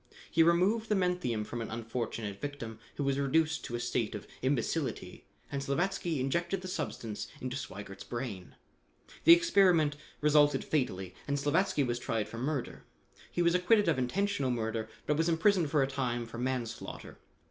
He removed the menthium from an unfortunate victim, who was reduced to a state of imbecility, and Slavatsky injected the substance into Sweigert's brain. The experiment resulted fatally and Slavatsky was tried for murder. He was acquitted of intentional murder but was imprisoned for a time for manslaughter.